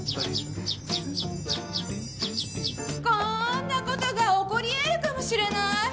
こんなことが起こり得るかもしれない！